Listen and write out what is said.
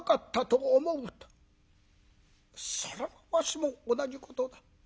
「それはわしも同じことだ。